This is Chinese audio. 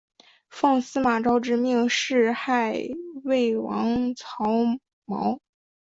奉司马昭之命弑害魏帝曹髦。